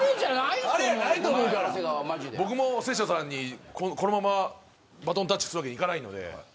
僕も瀬下さんに、このままバトンタッチするわけにはいかないので。